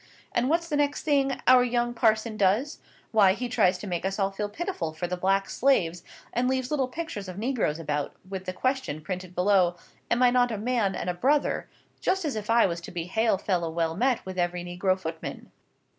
And what's the next thing our young parson does? Why he tries to make us all feel pitiful for the black slaves, and leaves little pictures of negroes about, with the question printed below, 'Am I not a man and a brother?' just as if I was to be hail fellow well met with every negro footman.